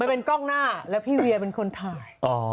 เป็นกล้องหน้าแล้วพี่เวียเป็นคนถ่าย